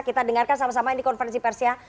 kita dengarkan sama sama ini konferensi pers ya